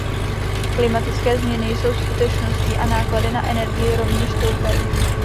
Klimatické změny jsou skutečností a náklady na energii rovněž stoupají.